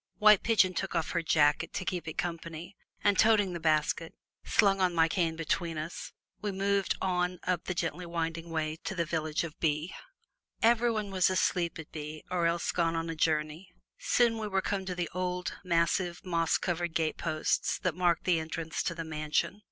White Pigeon took off her jacket to keep it company, and toting the basket, slung on my cane between us, we moved on up the gently winding way to the village of By. Everybody was asleep at By, or else gone on a journey. Soon we came to the old, massive, moss covered gateposts that marked the entrance to the mansion.